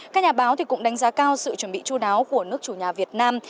các nhà báo cũng đánh giá cao sự chuẩn bị chú đáo của nước chủ nhà việt nam